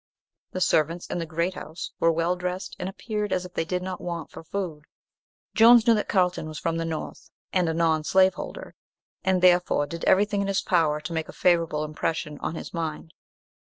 The servants in the "Great House" were well dressed, and appeared as if they did not want for food. Jones knew that Carlton was from the North, and a non slaveholder, and therefore did everything in his power to make a favourable impression on his mind.